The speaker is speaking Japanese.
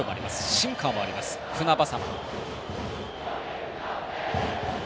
シンカーもあります、船迫。